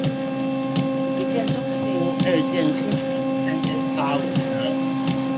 一見鍾情，二見傾心，三件八五折